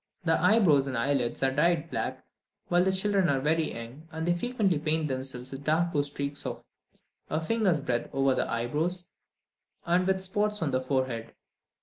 The eyebrows and eyelids are dyed black while the children are very young, and they frequently paint themselves with dark blue streaks of a finger's breadth over the eyebrows, and with spots on the forehead.